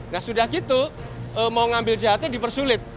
nah sudah gitu mau ngambil jht dipersulit